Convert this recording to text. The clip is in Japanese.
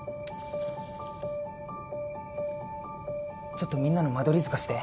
ちょっとみんなの間取り図貸して。